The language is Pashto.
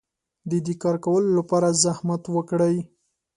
د دې کار کولو لپاره زحمت وکړئ.